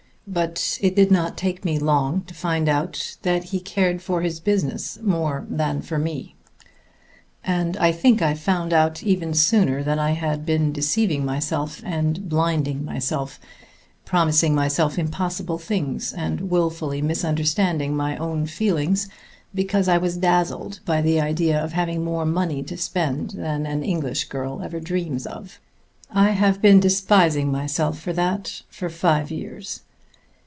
But it did not take me long to find out that he cared for his business more than for me, and I think I found out even sooner that I had been deceiving myself and blinding myself, promising myself impossible things and wilfully misunderstanding my own feelings, because I was dazzled by the idea of having more money to spend than an English girl ever dreams of. I have been despising myself for that for five years.